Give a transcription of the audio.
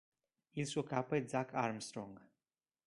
Il suo capo è Zach Armstrong.